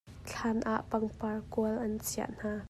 Thlan ah pangpar kual an chiah hna.